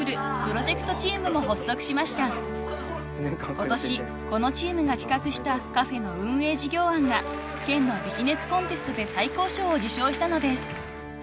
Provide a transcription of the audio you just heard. ［今年このチームが企画したカフェの運営事業案が県のビジネスコンテストで最高賞を授賞したのです］